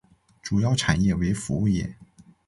主要产业为服务业。